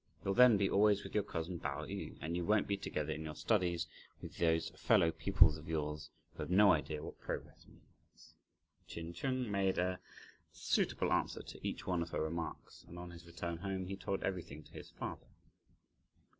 You'll then be always with your cousin Pao yü, and you won't be together, in your studies, with those fellow pupils of yours who have no idea what progress means." Ch'in Chung made a suitable answer to each one of her remarks, and on his return home he told everything to his father.